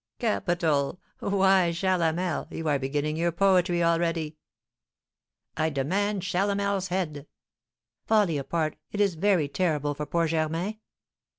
'" "Capital! why, Chalamel, you are beginning your poetry already." "I demand Chalamel's head!" "Folly apart, it is very terrible for poor Germain."